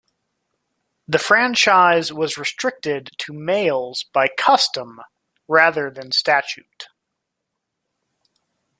The franchise was restricted to males by custom rather than statute.